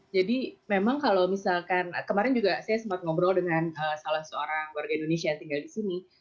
jadi memang kalau misalkan kemarin juga saya sempat ngobrol dengan salah seorang warga indonesia yang tinggal di sini